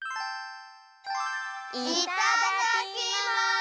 いただきます！